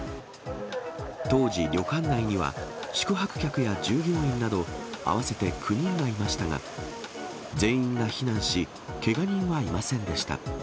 当時、旅館内には宿泊客や従業員など合わせて９人がいましたが、全員が避難し、けが人はいませんでした。